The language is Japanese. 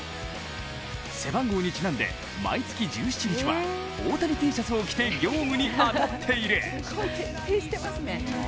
背番号にちなんで毎月１７日は大谷Ｔシャツを着て業務に当たっている。